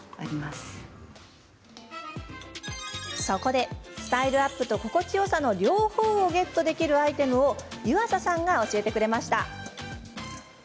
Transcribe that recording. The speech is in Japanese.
そこでスタイルアップと心地よさの両方をゲットできるアイテムを湯浅さんが教えてくれました。